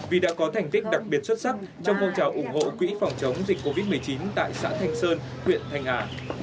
vì đã có thành tích đặc biệt xuất sắc trong phong trào ủng hộ quỹ phòng chống dịch covid một mươi chín tại xã thanh sơn huyện thanh hà